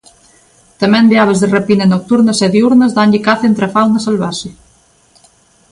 Tamén de aves de rapina nocturnas e diúrnas danlle caza entre a fauna salvaxe.